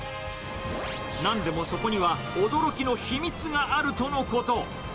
なんでもそこには驚きの秘密があるとのこと。